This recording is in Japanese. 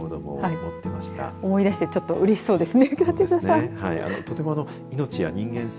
思い出してちょっと嬉しそうですね。